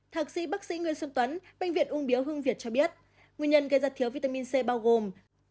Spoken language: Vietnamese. thạc sĩ bác sĩ nguyễn xuân tuấn bệnh viện ung biếu hương việt cho biết nguyên nhân gây ra thiếu vitamin c bao gồm